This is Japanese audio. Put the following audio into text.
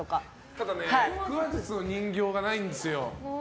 ただ、腹話術の人形がないんですよ。